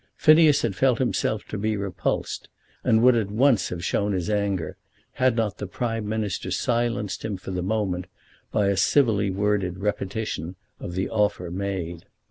Phineas had felt himself to be repulsed, and would at once have shown his anger, had not the Prime Minister silenced him for the moment by a civilly worded repetition of the offer made.